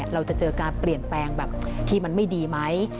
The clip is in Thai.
เราจะเจอการเปลี่ยนแปลงแบบที่มันไม่ดีไหม